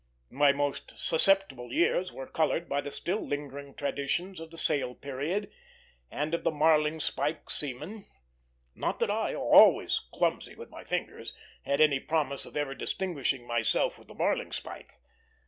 My most susceptible years were colored by the still lingering traditions of the sail period, and of the "marling spike seaman;" not that I, always clumsy with my fingers, had any promise of ever distinguishing myself with the marling spike.